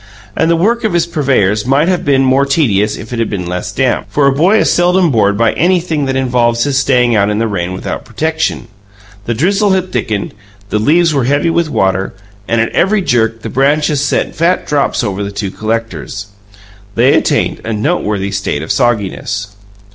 And the work of his purveyors might have been more tedious if it had been less damp, for a boy is seldom bored by anything that involves his staying out in the rain without protection. The drizzle had thickened; the leaves were heavy with water, and at every jerk the branches sent fat drops over the two collectors. They attained a noteworthy state of sogginess.